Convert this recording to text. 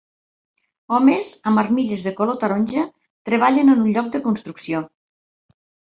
Homes amb armilles de color taronja treballen en un lloc de construcció.